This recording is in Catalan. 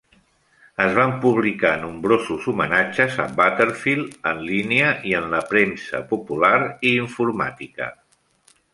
Es van publicar nombrosos homenatges a Butterfield en línia i en la premsa popular i informàtica.